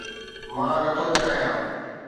مان نٿو چاهيان